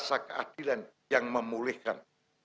rasa keadilan yang memulihkan